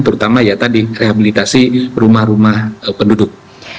terutama ya tadi rehabilitasi rumah rumah penduduk